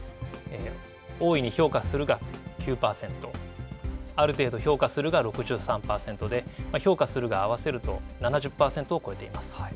大いに評価するが９％、ある程度評価するが６３％で評価するが合わせると７０％を超えています。